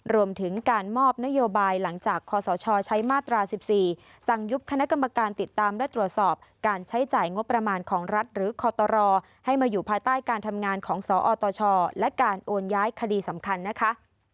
รวมถึงการมอบนโยบายหลังจากคศใช้มาตรา๑๔สั่งยุบคณะกรรมการติดตามและตรวจสอบการใช้จ่ายงบประมาณของรัฐหรือคอตรให้มาอยู่ภายใต้การทำงานของสอตชและการโอนย้ายคดีสำคัญนะคะ